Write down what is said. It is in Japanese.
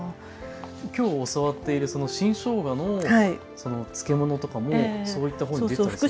今日教わっている新しょうがの漬物とかもそういった本に出たり。